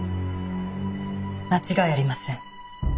間違いありません。